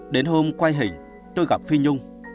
đến hôm quay hình tôi gặp phi nhung